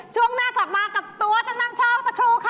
ช่วงหน้ากลับมากับตัวจำนำโชคสักครู่ค่ะ